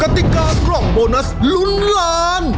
ติกากล่องโบนัสลุ้นล้าน